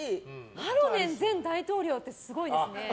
ハロネン前大統領ってすごいですね。